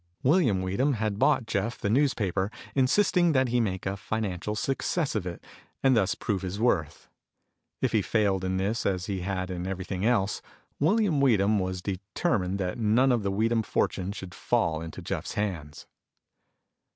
William Weedham had bought Jeff the newspaper, insisting that he make a financial success of it and thus prove his worth. If he failed in this as he had in everything else, William Weedham was determined that none of the Weedham fortune should fall into Jeff's hands.